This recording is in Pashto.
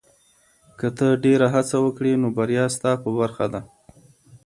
که ته ډېره هڅه وکړې، نو بریا ستا په برخه ده.